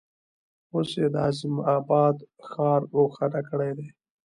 اوس یې د عظیم آباد ښار روښانه کړی دی.